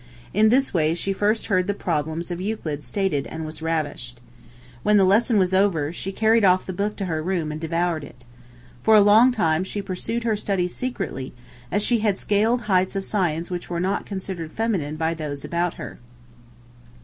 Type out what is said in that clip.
In this way she first heard the problems of Euclid stated and was ravished. When the lesson was over, she carried off the book to her room and devoured it. For a long time she pursued her studies secretly, as she had scaled heights of science which were not considered feminine by those about her.